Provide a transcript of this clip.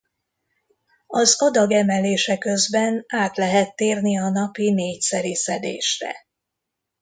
Az adag emelése közben át lehet térni a napi négyszeri szedésre.